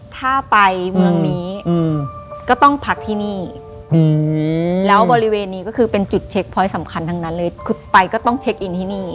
ถ้าไปเมืองนี้ก็ต้องพักที่นี่แล้วบริเวณนี้ก็คือเป็นจุดเช็คพอยต์สำคัญทั้งนั้นเลยคือไปก็ต้องเช็คอินที่นี่